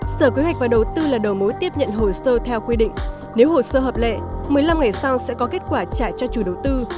sở kế hoạch và đầu tư là đầu mối tiếp nhận hồ sơ theo quy định nếu hồ sơ hợp lệ một mươi năm ngày sau sẽ có kết quả trả cho chủ đầu tư